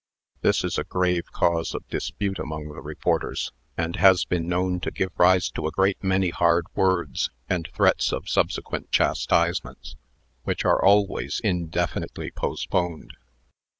This is a grave cause of dispute among the reporters, and has been known to give rise to a great many hard words, and threats of subsequent chastisements, which are always indefinitely postponed.